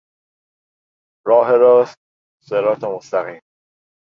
راه راست، صراط مستقیم